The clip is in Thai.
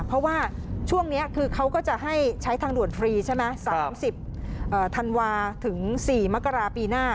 เพราะว่าช่วงนี้คือเขาก็จะให้ใช้ทางด่วนฟรีใช่ไหม๓๐ธันวาถึง๔มกราปีหน้า